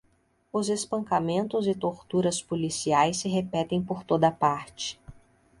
os espancamentos e torturas policiais se repetem por toda parte